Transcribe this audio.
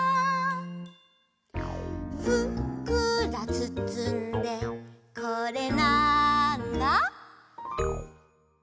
「ふっくらつつんでこれなんだ？」